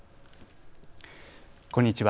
こんにちは。